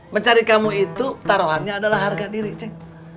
mencari kamu itu taruhannya adalah harga diri cek